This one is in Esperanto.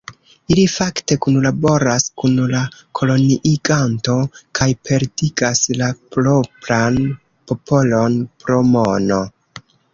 Ili fakte kunlaboras kun la koloniiganto kaj perfidas la propran popolon pro mono.